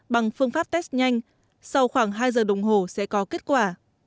bằng phương pháp test nhanh sau khoảng hai giờ đồng hồ sẽ có kết quả